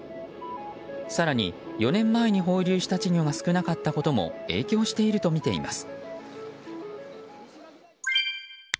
更に、４年前に放流した稚魚が少なかったことも影響しているとみています。